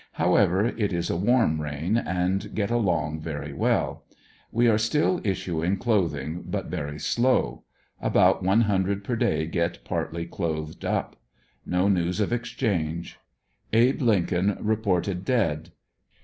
However it is a warm rain and get along very well. We are still issuing clothing but very slow. About one hun dred per day get pnrtly clothed up. No news of exchange. Abe Lincoln reported dead.